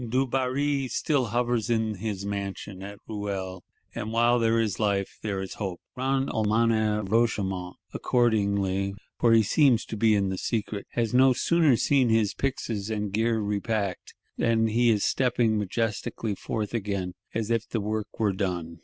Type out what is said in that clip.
Dubarry still hovers in his mansion at Ruel; and while there is life, there is hope. Grand Almoner Roche Aymon, accordingly (for he seems to be in the secret), has no sooner seen his pyxes and gear repacked, then he is stepping majestically forth again, as if the work were done!